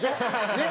ねっ？